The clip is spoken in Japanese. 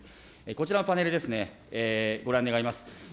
こちらのパネルですね、ご覧願います。